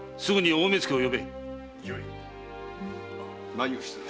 何をしておる？